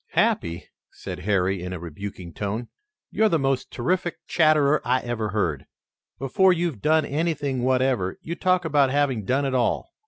"Happy," said Harry, in a rebuking tone, "you're the most terrific chatterer I ever heard. Before you've done anything whatever, you talk about having done it all."